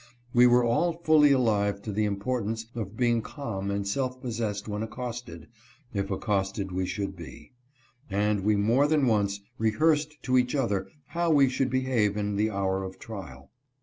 We were all fully alive to the importance of being calm and self possessed when accosted, if accosted we should be ; and we more than once rehearsed to each other how we should behave in the hour of trial.